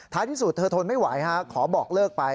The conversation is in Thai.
ที่สุดเธอทนไม่ไหวขอบอกเลิกไป